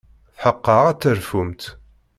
Tḥeqqeɣ ad terfumt.